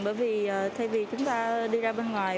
bởi vì thay vì chúng ta đi ra bên ngoài